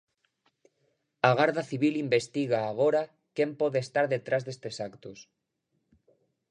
A Garda Civil investiga agora quen pode estar detrás destes actos.